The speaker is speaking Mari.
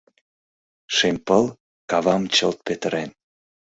Шем пыл кавам чылт петырен.